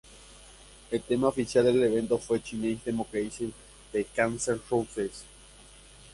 El Tema oficial del evento fue ""Chinese Democracy"" de Guns N' Roses.